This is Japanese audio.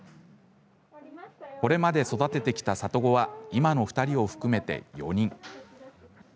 これまで育ててきた里子は今の２人を含めて４人。